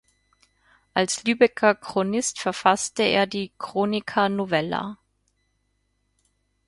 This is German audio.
Als Lübecker Chronist verfasste er die „Chronica novella“.